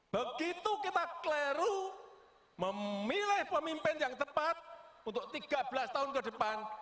begitu kita kleru memilih pemimpin yang tepat untuk tiga belas tahun ke depan